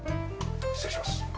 失礼します。